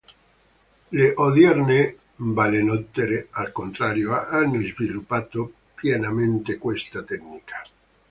Le odierne balenottere, al contrario, hanno sviluppato pienamente questa tecnica.